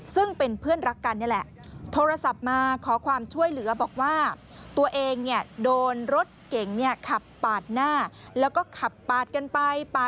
ซึ่งเป็นเพื่อนรักกันนี่แหละ